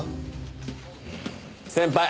先輩。